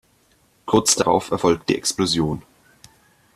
Kurz darauf erfolgt die Explosion.